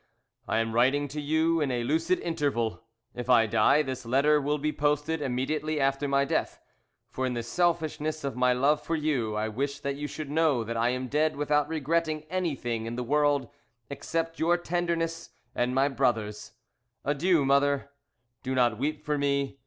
"I am writing to you in a lucid interval. If I die, this letter will be posted immediately after my death; for in the selfishness of my love for you I wish that you should know that I am dead without regretting anything in the world except your tenderness and my brother's. "Adieu, mother! "Do not weep for me.